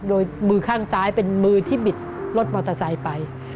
โดยมือข้างซ้ายเป็นมือที่บิดรถมอเตอร์ไซค์ไป